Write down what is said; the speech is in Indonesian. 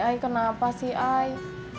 ai ai kenapa sih ai